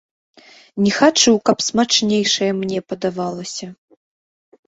Не хачу, каб смачнейшае мне падавалася!